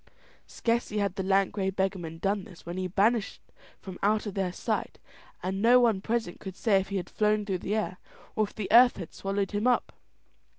Scarcely had the lank grey beggarman done this when he vanished from out their sight, and no one present could say if he had flown through the air or if the earth had swallowed him up.